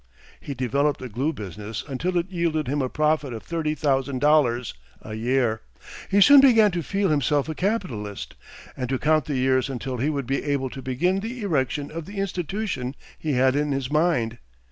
He developed the glue business until it yielded him a profit of thirty thousand dollars a year. He soon began to feel himself a capitalist, and to count the years until he would be able to begin the erection of the institution he had in his mind.